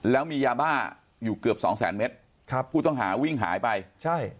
แล้วมียาบาลอยู่เกือบ๒๐๐๐๐๐เมตรผู้ต้องหาวิ่งหายไป